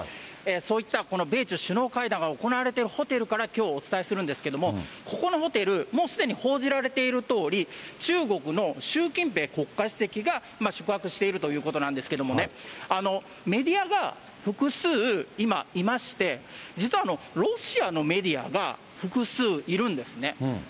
そういった、この米中首脳会談が行われているホテルからきょう、お伝えするんですけれども、ここのホテル、もうすでに報じられているとおり、中国の習近平国家主席が宿泊しているということなんですけれどもね、メディアが複数今、いまして、実はロシアのメディアが複数いるんですね。